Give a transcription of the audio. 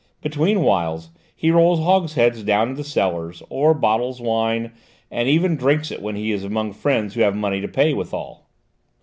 Between whiles he rolls hogsheads down into cellars, or bottles wine, and even drinks it when he is among friends who have money to pay withal.